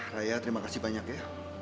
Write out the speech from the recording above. raya terima kasih banyak ya